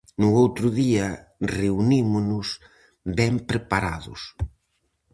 No outro día reunímonos, ben preparados.